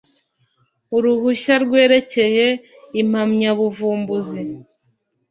uruhushya rwerekeye impamyabuvumbuzi